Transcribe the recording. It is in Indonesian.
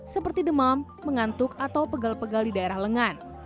seperti demam mengantuk atau pegal pegal di daerah lengan